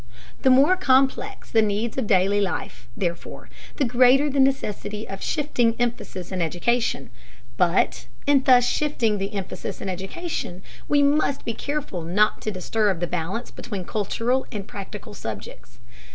The more complex the needs of daily life, therefore, the greater the necessity of shifting emphasis in education. But in thus shifting the emphasis in education we must be careful not to disturb the balance between cultural and "practical" subjects.